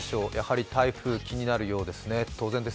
やはり台風、気になるようですね。